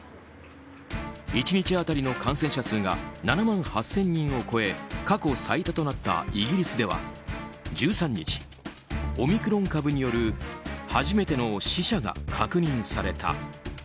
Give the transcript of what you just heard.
１日当たりの感染者数が７万８０００人を超え過去最多となったイギリスでは１３日、オミクロン株による初めての死者が確認された。